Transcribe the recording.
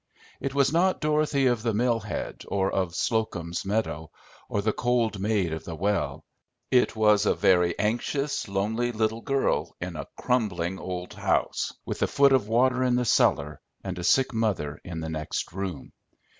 It was not Dorothy of the mill head, or of Slocum's meadow, or the cold maid of the well; it was a very anxious, lonely little girl in a crumbling old house, with a foot of water in the cellar and a sick mother in the next room.